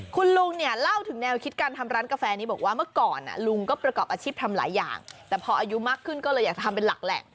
คุณลุงเนี่ยเล่าถึงแนวคิดการทำร้านกาแฟนี้บอกว่าเมื่อก่อนลุงก็ประกอบอาชีพทำหลายอย่างแต่พออายุมากขึ้นก็เลยอยากทำเป็นหลักแหละ